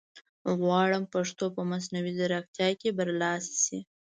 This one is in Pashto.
غواړم پښتو په مصنوعي ځیرکتیا کې برلاسې شي